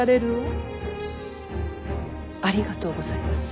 ありがとうございます。